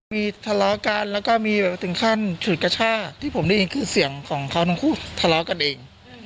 มีทะเลาะกันแล้วก็มีแบบถึงขั้นฉุดกระชากที่ผมได้ยินคือเสียงของเขาทั้งคู่ทะเลาะกันเอง